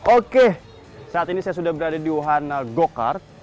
oke saat ini saya sudah berada di wahana go kart